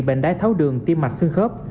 bệnh đai tháo đường tim mạch xương khớp